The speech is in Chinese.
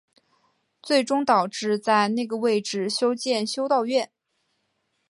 最终导致在那个位置修建修道院。